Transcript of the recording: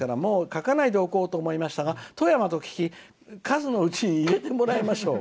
「書かないでおこうと思いましたが富山なので数のうちに入れてもらいましょう。